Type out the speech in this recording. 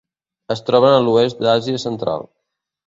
Es troben a l'oest d'Àsia central.